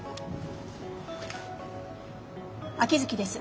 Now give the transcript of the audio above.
秋月です。